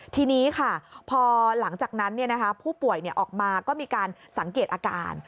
ทีนี้ค่ะพอหลังจากนั้นผู้ป่วยออกมาก็มีการสังเกตอาการ